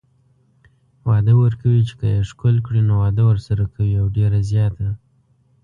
وعده ورکوي چې که يې ښکل کړي نو واده ورسره کوي او ډيره زياته